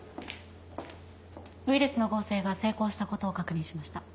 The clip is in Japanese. ウイルスの合成が成功したことを確認しました。